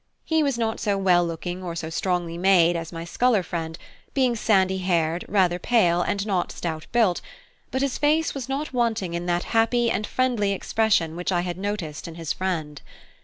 He was not so well looking or so strongly made as my sculler friend, being sandy haired, rather pale, and not stout built; but his face was not wanting in that happy and friendly expression which I had noticed in his friend.